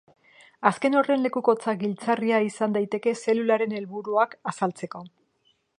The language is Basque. Azken horren lekukotza giltzarria izan daiteke zelularen helburuak azaltzeko.